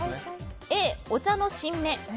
Ａ、お茶の新芽